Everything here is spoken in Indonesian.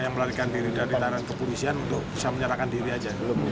yang melarikan diri dari taran kepolisian untuk bisa menyerahkan diri aja